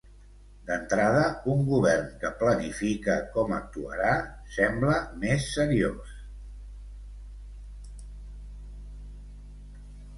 D'entrada, un Govern que planifica com actuarà sembla més seriós.